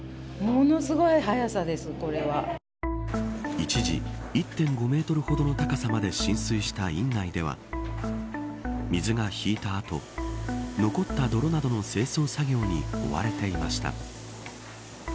一時、１．５メートルほどの高さまで浸水した院内では水が引いた後残った泥などの清掃作業に追われていました。